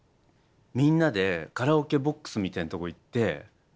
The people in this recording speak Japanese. みんなでカラオケボックスみたいなとこ行って。